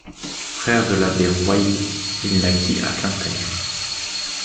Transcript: Frère de l'abbé Royou, il naquit à Quimper.